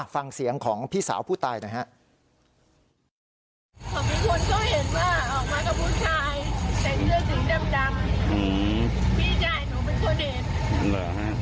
ฟังเสียงของพี่สาวผู้ตายหน่อยฮะ